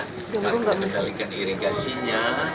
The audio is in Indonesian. kita kembalikan irigasinya